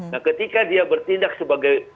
nah ketika dia bertindak sebagai